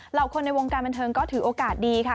คนในวงการบันเทิงก็ถือโอกาสดีค่ะ